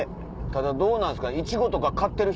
ただどうなんですか？